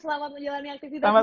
selamat menjalani aktivitas bungkus